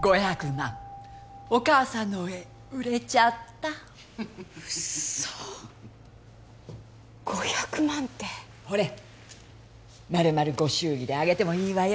５００万お母さんの絵売れちゃったうっそ５００万ってほれ丸々ご祝儀であげてもいいわよ？